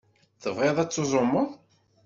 Tebɣiḍ ad tuẓumeḍ?